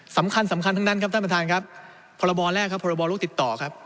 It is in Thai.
สำคัญสำคัญทั้งนั้นครับท่านประธานครับพรบแรกครับพรบรโรคติดต่อครับ